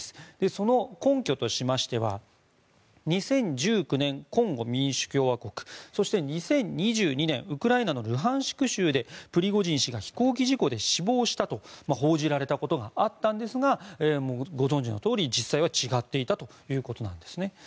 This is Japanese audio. その根拠としましては２０１９年、コンゴ民主共和国そして２０２２年ウクライナのルハンシク州でプリゴジン氏が飛行機事故で死亡したと報じられたことがあったんですがご存じのとおり実際は違っていたということですね。